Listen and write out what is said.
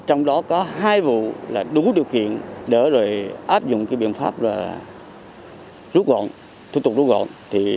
trong đó có hai vụ đủ điều kiện để áp dụng biện pháp rút gọn thu tục rút gọn